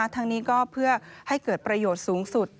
ทั้งนี้ก็เพื่อให้เกิดประโยชน์สูงสุด